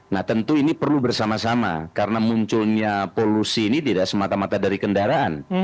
nah tentu ini perlu bersama sama karena munculnya polusi ini tidak semata mata dari kendaraan